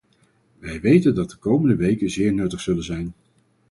Wij weten dat de komende weken zeer nuttig zullen zijn.